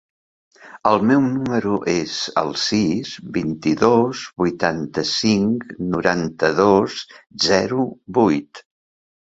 El meu número es el sis, vint-i-dos, vuitanta-cinc, noranta-dos, zero, vuit.